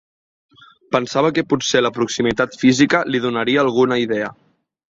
Pensava que potser la proximitat física li donaria alguna idea.